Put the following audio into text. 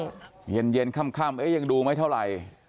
ใช่เย็นข้ำเอ๊ยยังดูไหมเท่าไหร่